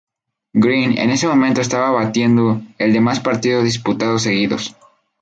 Green, que en ese momento estaba batiendo el de más partidos disputados seguidos.